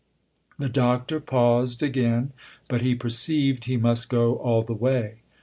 The Doctor paused again, but he perceived he must go all the way.